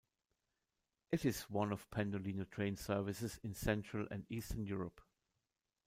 It is one of Pendolino train services in Central and Eastern Europe.